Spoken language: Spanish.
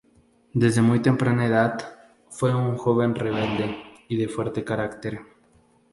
Desde muy temprana edad, fue un joven rebelde y de fuerte carácter.